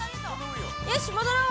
よし戻ろう。